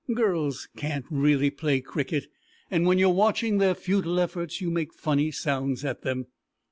Girls can't really play cricket, and when you are watching their futile efforts you make funny sounds at them.